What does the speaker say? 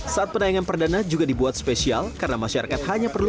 saat penayangan perdana juga dibuat spesial karena masyarakat hanya perlu